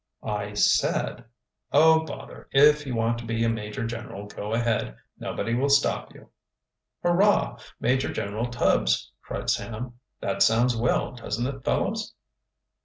"I said " "Oh, bother, if you want to be a major general, go ahead. Nobody will stop you." "Hurrah, Major General Tubbs!" cried Sam. "That sounds well, doesn't it, fellows?"